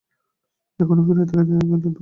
এখন ফিরিয়া তাকাইতে গেলে দুঃখ পাইতে হইবে।